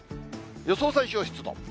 予想最小湿度。